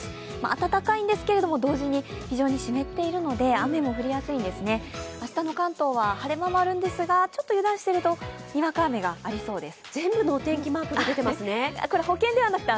暖かいんですけれども、同時に湿っているので、明日の関東は晴れ間もあるんですが、ちょっと油断しているとにわか雨がありそうです。